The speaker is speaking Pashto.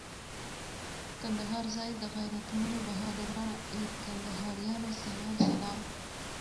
کندهار ځای د غیرتمنو بهادرانو، ای کندهاریانو سلام سلام